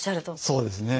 そうですね。